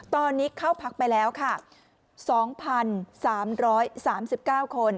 ตอนนี้เข้าพักไปแล้วค่ะ๒๓๓๙คน